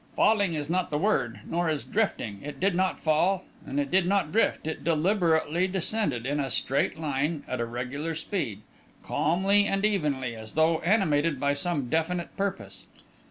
"Falling" is not the word; nor is "drifting." It did not fall and it did not drift. It deliberately descended, in a straight line, at a regular speed, calmly and evenly, as though animated by some definite purpose.